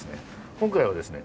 今回はですね